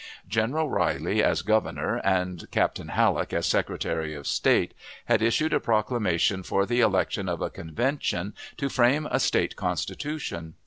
General Riley as Governor, and Captain Halleck as Secretary of State, had issued a proclamation for the election of a convention to frame a State constitution.